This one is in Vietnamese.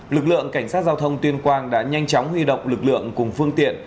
lực lượng cảnh sát giao thông tuyên quang đã nhanh chóng huy động lực lượng cùng phương tiện